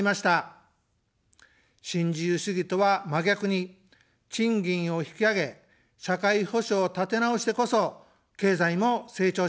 新自由主義とは、真逆に賃金を引き上げ、社会保障を立てなおしてこそ、経済も成長します。